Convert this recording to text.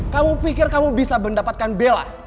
kamu pikir kamu bisa mendapatkan bela